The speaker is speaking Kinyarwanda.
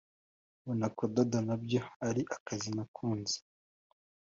mbona kudoda na byo ari akazi ntakunze